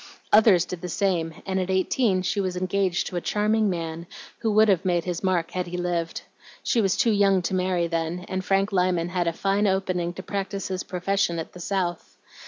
Others did the same, and at eighteen she was engaged to a charming man, who would have made his mark had he lived. She was too young to marry then, and Frank Lyman had a fine opening to practise his profession at the South.